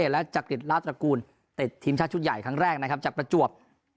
และจักริจลาดตระกูลติดทีมชาติชุดใหญ่ครั้งแรกนะครับจากประจวบ